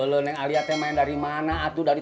oleh aliatnya main dari mana atuh dari